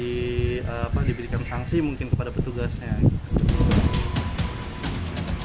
diberikan sanksi mungkin kepada petugasnya gitu